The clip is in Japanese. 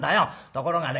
ところがね